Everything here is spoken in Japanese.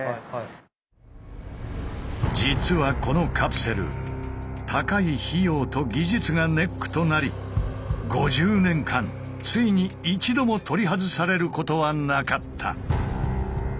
実はこのカプセル高い費用と技術がネックとなり５０年間ついに一度も取り外されることはなかった。